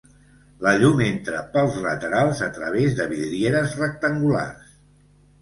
La llum entra pels laterals a través de vidrieres rectangulars.